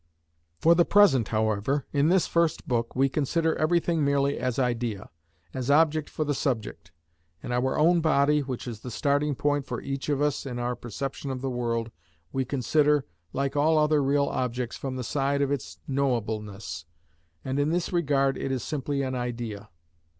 For the present, however, in this first book we consider everything merely as idea, as object for the subject. And our own body, which is the starting point for each of us in our perception of the world, we consider, like all other real objects, from the side of its knowableness, and in this regard it is simply an idea.